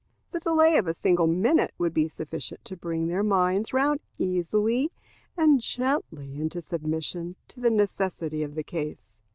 The delay of a single minute would be sufficient to bring their minds round easily and gently into submission to the necessity of the case.